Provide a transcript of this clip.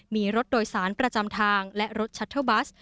มีรถโดยสารประจำทางและรถชัตเทอร์บัส